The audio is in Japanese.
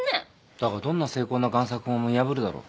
だがどんな精巧な贋作も見破るだろう。